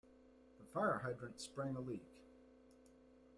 The fire hydrant sprang a leak.